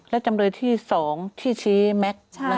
และจำเลยที่๒ที่ชี้แม็กซ์